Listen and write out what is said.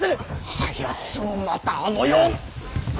あやつまたあのような。